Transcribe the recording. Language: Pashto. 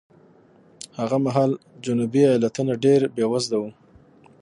هغه مهال جنوبي ایالتونه ډېر بېوزله وو.